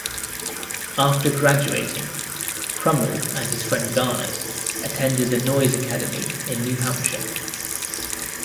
After graduating, Crummell and his friend Garnet attended the Noyes Academy in New Hampshire.